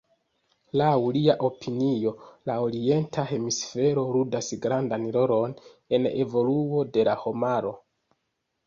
Laŭ lia opinio, la Orienta hemisfero ludas grandan rolon en evoluo de la homaro.